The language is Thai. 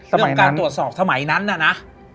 เรื่องของการตรวจสอบสมัยนั้นน่ะนะ